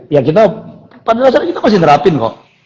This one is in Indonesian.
ya kita pada dasarnya kita masih nerapin kok